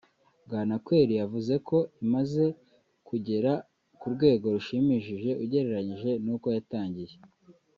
Bwanakweli yavuze ko imaze kugera ku rwego rushimishije ugereranyije n’uko yatangiye